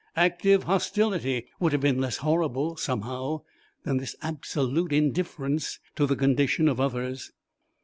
Active hostility would have been less horrible, somehow, than this absolute indifference to the condition of others.